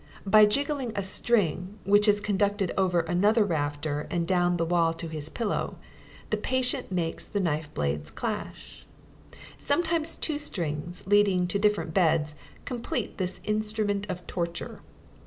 By jiggling a string, which is conducted over another rafter and down the wall to his pillow, the patient makes the knifeblades clash. Sometimes two strings, leading to different beds, complete this instrument of torture.